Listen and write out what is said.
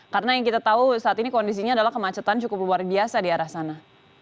karena yang kita tahu saat ini kondisinya adalah kemacetan cukup luar biasa di arah sana